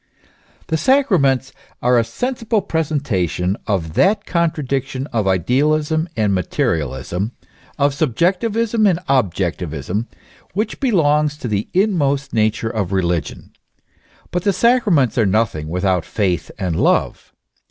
THE Sacraments are a sensible presentation of that contradic tion of idealism and materialism, of subjectivism and objecti vism, which belongs to the inmost nature of religion. But the sacraments are nothing without Faith and Love.